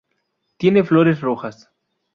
Tiene flores rojas.